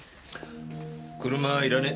車いらね。